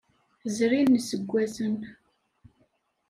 Zrin iseggasen.